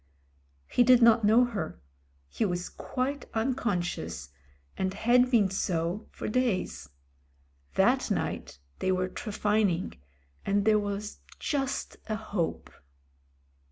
He did not know her — he was quite unconscious, and had been so for days. That night they were trephining, and there was just a hope.